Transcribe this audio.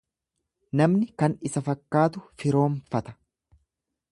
Namni kan isa fakkaatu firoomfata.